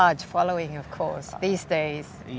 dan dia memiliki pengikiran yang besar